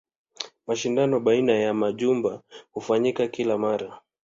Mashindano baina ya majumba hufanyika kila mara.